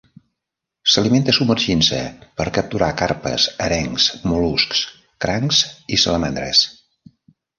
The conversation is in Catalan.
S'alimenta submergint-se per capturar carpes, arengs, mol·luscs, crancs i salamandres.